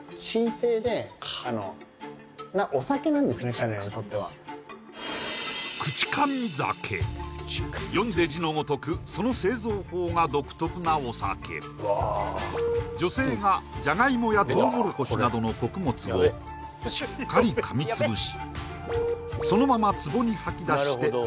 彼らにとっては読んで字のごとくその製造法が独特なお酒女性がジャガイモやトウモロコシなどの穀物をしっかり噛みつぶし